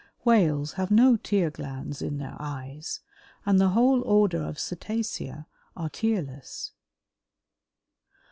Whales have no tear glands in their eyes, and the whole order of Cetacea are tearless.